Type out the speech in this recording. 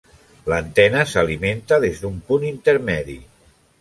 L'antena s'alimenta des d'un punt intermedi.